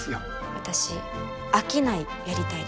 私商いやりたいです。